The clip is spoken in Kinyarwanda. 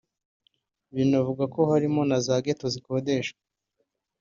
Binavugwa ko harimo n’aho za ghetto zikodeshwa